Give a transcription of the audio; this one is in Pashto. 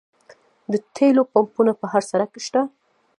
د تیلو پمپونه په هر سړک شته